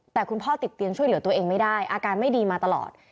แต่คุณพ่อติดเตียงช่วยเหลือตัวเองไม่ได้อาการไม่ดีมาตลอด